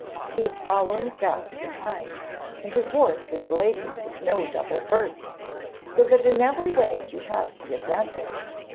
He was following fast behind, and his horse was laden with no double burden, so that in every way he had the advantage.